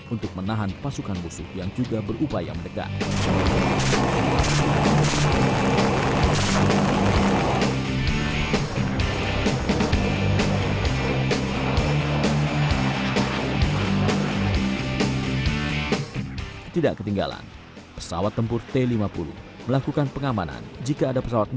untuk menahan pasukan musuh yang juga berupaya mendekat